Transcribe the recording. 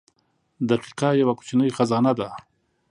• دقیقه یوه کوچنۍ خزانه ده.